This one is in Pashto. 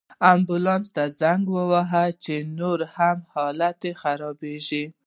امبولانس ته زنګ ووهه، چې نور مې هم حالت خرابیږي